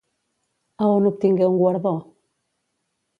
A on obtingué un guardó?